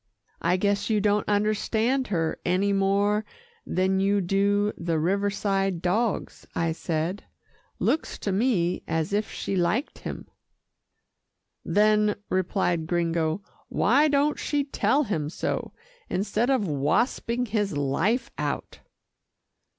"I guess you don't understand her any more than you do the Riverside dogs," I said. "Looks to me as if she liked him." "Then," replied Gringo, "why don't she tell him so, instead of wasping his life out?"